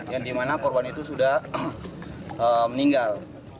yang dimana korban itu sudah meninggal